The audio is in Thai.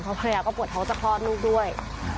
ของพนักพยาบาลก็ปวดเท้าจะคลอดลูกด้วย